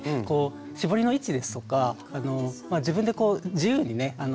こう絞りの位置ですとか自分でこう自由にね